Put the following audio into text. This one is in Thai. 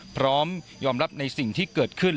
พร้อมยอมรับในสิ่งที่เกิดขึ้น